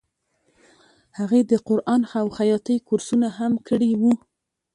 هغې د قرآن او خیاطۍ کورسونه هم کړي وو